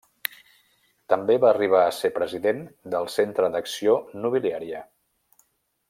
També va arribar a ser president del Centre d'Acció Nobiliària.